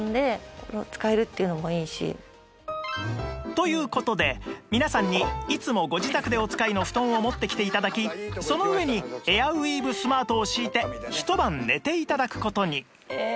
という事で皆さんにいつもご自宅でお使いの布団を持ってきて頂きその上にエアウィーヴスマートを敷いてひと晩寝て頂く事に